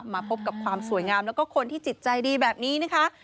มาพบกับความสวยงามแล้วก็คนที่จิตใจดีแบบนี้นะคะ